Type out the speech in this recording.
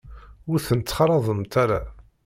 Ur ten-ttxalaḍemt ara.